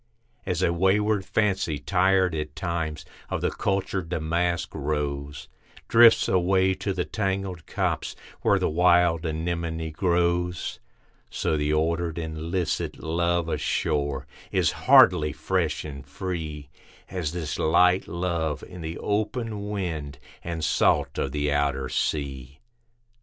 As a wayward Fancy, tired at times, of the cultured Damask Rose, Drifts away to the tangled copse, where the wild Anemone grows; So the ordered and licit love ashore, is hardly fresh and free As this light love in the open wind and salt of the outer sea.